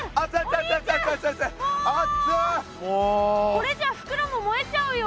これじゃあ袋も燃えちゃうよ。